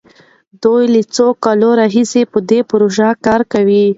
دوی له څو کلونو راهيسې په دې پروژه کار کوي.